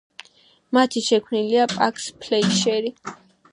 მათი შემქმნელია მაქს ფლეიშერი.